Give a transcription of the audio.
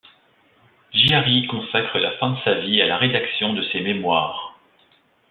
Gyari consacre la fin de sa vie à la rédaction de ses mémoires.